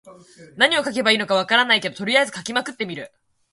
何を書けばいいのか分からないけど、とりあえず書きまくってみる。